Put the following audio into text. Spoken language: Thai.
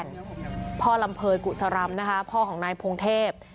ขอนแก่นพ่อลำเภยกุศรรมพ่อของนายพงเทพ